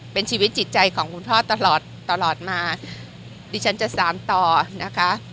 เป็นชีวิตจิตใจของคุณพ่อตลอดตลอดมาดิฉันจะสามต่อนะคะ